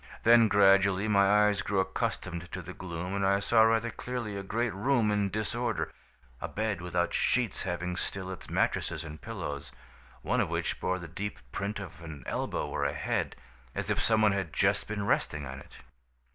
Then gradually my eyes grew accustomed to the gloom, and I saw rather clearly a great room in disorder, a bed without sheets having still its mattresses and pillows, one of which bore the deep print of an elbow or a head, as if someone had just been resting on it.